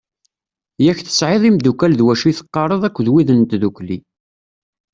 Yak tesɛiḍ imddukal d wacu i teɣɣareḍ akked wid n tddukli.